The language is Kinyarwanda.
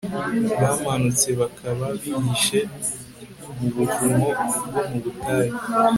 bamanutse bakaba bihishe mu buvumo bwo mu butayu